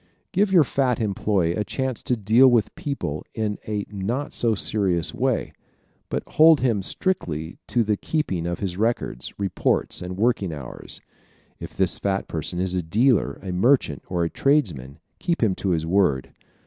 Give your fat employee a chance to deal with people in a not too serious way, but hold him strictly to the keeping of his records, reports and working hours. If this fat person is a dealer, a merchant or a tradesman keep him to his word.